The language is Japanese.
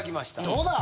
どうだ！